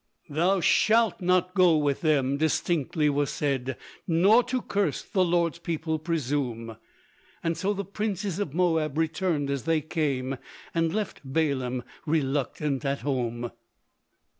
"Thou shalt not go with them!" distinctly was said, "Nor to curse the Lord's people presume;" So the Princes of Moab returned as they came, And left Balaam reluctant at home.